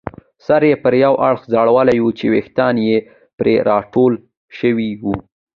سر یې پر یوه اړخ ځړولی وو چې ویښتان یې پرې راټول شوي وو.